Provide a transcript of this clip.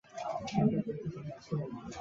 这一结论被称为蒙日圆。